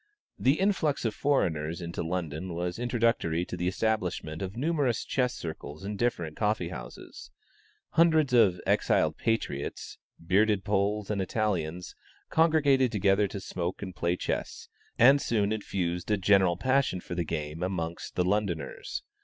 The influx of foreigners into London was introductory to the establishment of numerous chess circles in different coffee houses. Hundreds of "exiled patriots," bearded Poles and Italians, congregated together to smoke and play chess, and soon infused a general passion for the game amongst the Londoners.